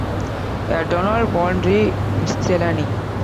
"A Donald Wandrei Miscellany".